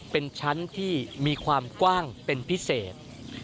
เป็นชั้นที่มีความกว้างเป็นพิเศษ